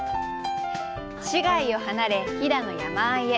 市街を離れ、飛騨の山あいへ。